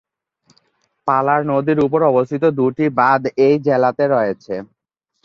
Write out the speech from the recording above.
পালার নদীর উপর অবস্থিত দুটি বাদ এই জেলাতে রয়েছে।